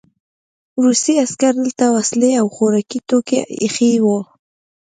روسي عسکرو دلته وسلې او خوراکي توکي ایښي وو